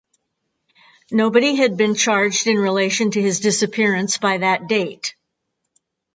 Nobody had been charged in relation to his disappearance by that date.